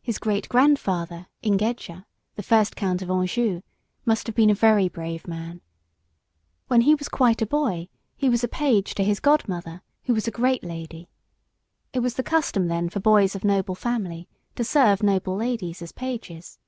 His great grandfather, Ingeger, the first Count of Anjou, must have been a very brave man. When he was quite a boy he was page to his godmother, who was a great lady. It was the custom then for boys of noble family to serve noble ladies as pages.